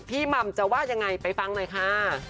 หม่ำจะว่ายังไงไปฟังหน่อยค่ะ